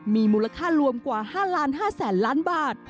มีมูลค่ารวมกว่า๕๕๐๐๐ล้านบาท